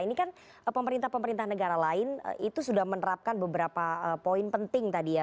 ini kan pemerintah pemerintah negara lain itu sudah menerapkan beberapa poin penting tadi ya